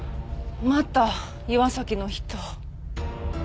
また岩崎の人。